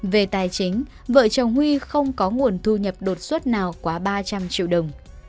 về tài chính vợ chồng huy không có nguồn thu nhập đột xuất nào quá ba trăm linh triệu đồng